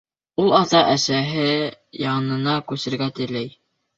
Ул ата-әсәһе янына күсергә теләй.